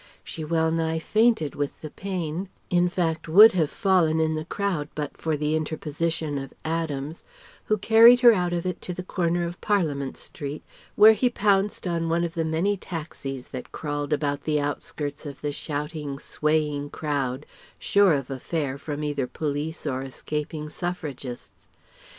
She well nigh fainted with the pain; in fact would have fallen in the crowd but for the interposition of Adams who carried her out of it to the corner of Parliament Street, where he pounced on one of the many taxis that crawled about the outskirts of the shouting, swaying crowd, sure of a fare from either police or escaping Suffragists.